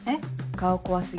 顔怖過ぎ。